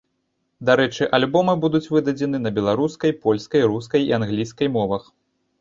Дарэчы, альбомы будуць выдадзены на беларускай, польскай, рускай і англійскай мовах.